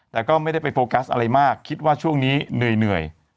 แต่ก็ไม่ได้ไปโฟกัสอะไรมากคิดว่าช่วงนี้เหนื่อย